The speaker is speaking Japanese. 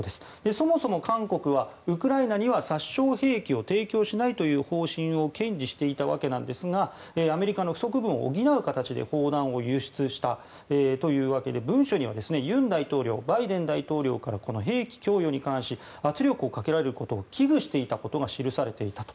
そもそも韓国はウクライナには殺傷兵器を提供しないという方針を堅持していたわけなんですがアメリカの不足分を補う形で砲弾を輸出したというわけで文書には尹大統領、バイデン大統領から兵器供与に関し圧力をかけられることを危惧していたことが記されていたと。